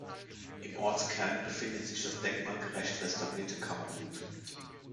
Im Ortskern befindet sich das denkmalgerecht restaurierte Kammergut.